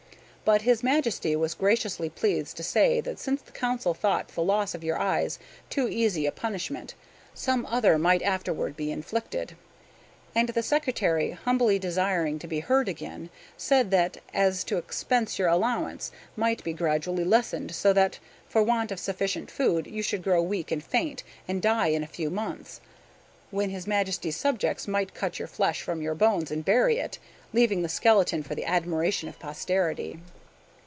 But his Majesty was graciously pleased to say that since the council thought the loss of your eyes too easy a punishment, some other might afterward be inflicted. And the secretary, humbly desiring to be heard again, said that as to expense your allowance might be gradually lessened, so that, for want of sufficient food you should grow weak and faint, and die in a few months, when his Majesty's subjects might cut your flesh from your bones and bury it, leaving the skeleton for the admiration of posterity.